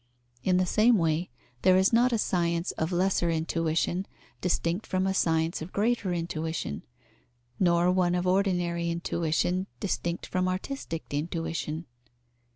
In the same way, there is not a science of lesser intuition distinct from a science of greater intuition, nor one of ordinary intuition distinct from artistic intuition.